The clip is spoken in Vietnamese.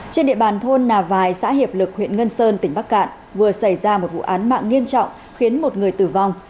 trên địa bàn thôn nà vài xã hiệp lực huyện ngân sơn tỉnh bắc cạn vừa xảy ra một vụ án mạng nghiêm trọng khiến một người tử vong